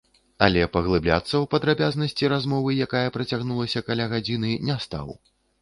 Але паглыбляцца ў падрабязнасці размовы, якая працягнулася каля гадзіны, не стаў.